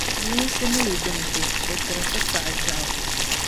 duunsi mi yi dim ti, di tiri ti kpaɣu ʒiɛɣu.